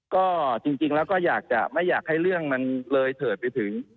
ก็จริงแล้วก็อยากจะไม่อยากให้เรื่องมันเลยเถิดไปถึง